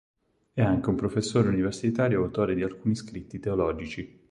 È anche un professore universitario e autore di alcuni scritti teologici.